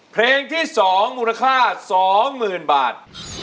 เพลงที่สองมูลค่าสองหมื่นบาท